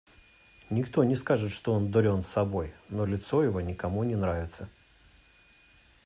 Никто не скажет, что он дурен собой, но лицо его никому не нравится.